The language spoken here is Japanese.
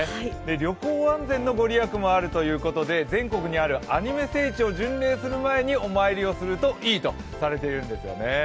旅行安全の御利益もあるということで、全国にあるアニメ聖地を巡礼する前にお参りをするといいとされているんですね。